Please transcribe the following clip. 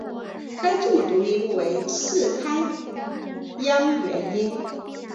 该字母读音为次开央元音。